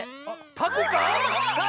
タコか⁉